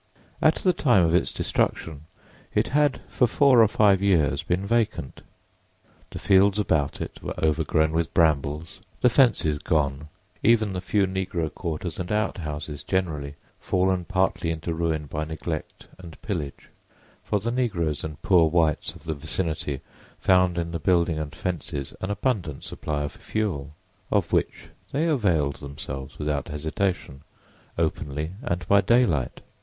At the time of its destruction, it had for four or five years been vacant. The fields about it were overgrown with brambles, the fences gone, even the few negro quarters, and out houses generally, fallen partly into ruin by neglect and pillage; for the negroes and poor whites of the vicinity found in the building and fences an abundant supply of fuel, of which they availed themselves without hesitation, openly and by daylight.